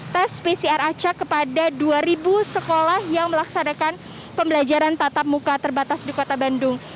tes pcr acak kepada dua sekolah yang melaksanakan pembelajaran tatap muka terbatas di kota bandung